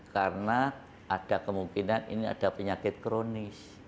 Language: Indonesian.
karena ada kemungkinan ini ada penyakit kronis